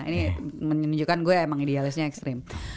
ini menunjukkan gue emang idealisnya ekstrim